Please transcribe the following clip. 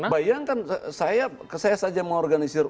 bayangkan saya saja mengorganisir